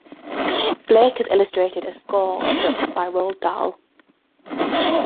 Blake has illustrated a score of books by Roald Dahl.